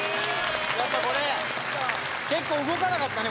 やっぱこれ結構動かなかったね